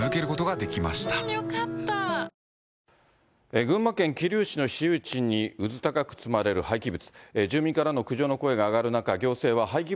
群馬県桐生市の私有地にうずたかく積まれる廃棄物。